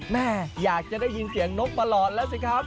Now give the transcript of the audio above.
แม่อยากจะได้ยินเสียงนกตลอดแล้วสิครับ